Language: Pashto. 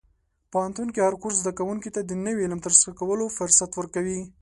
پوهنتون کې هر کورس زده کوونکي ته د نوي علم ترلاسه کولو فرصت ورکوي.